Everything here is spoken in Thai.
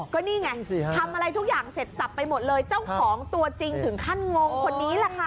ก็นี่ไงทำอะไรทุกอย่างเสร็จสับไปหมดเลยเจ้าของตัวจริงถึงขั้นงงคนนี้แหละค่ะ